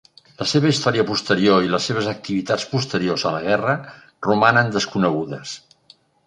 La seva història posterior i les seves activitats posteriors a la guerra romanen desconegudes.